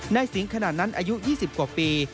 สิงขนาดนั้นอายุ๒๐กว่าปี